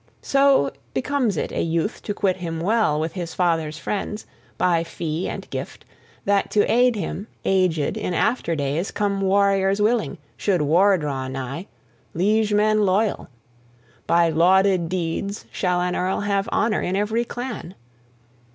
So becomes it a youth to quit him well with his father's friends, by fee and gift, that to aid him, aged, in after days, come warriors willing, should war draw nigh, liegemen loyal: by lauded deeds shall an earl have honor in every clan.